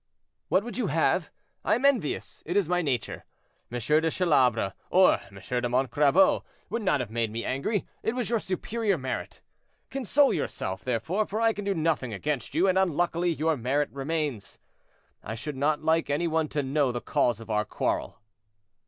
What would you have? I am envious—it is my nature. M. de Chalabre, or M. de Montcrabeau, would not have made me angry; it was your superior merit. Console yourself, therefore, for I can do nothing against you, and unluckily your merit remains. I should not like any one to know the cause of our quarrel."